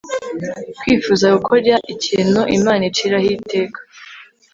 kwifuza gukora ikintu imana iciraho iteka